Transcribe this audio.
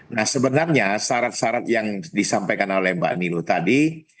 nah sebenarnya syarat syarat yang disampaikan oleh mbak niluh tadi